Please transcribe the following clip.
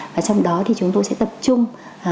và trong đó thì chúng tôi sẽ tập trung